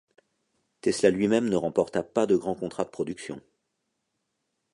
Tesla lui-même ne remporta pas de grand contrat de production.